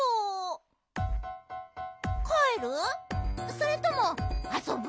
それともあそぶ？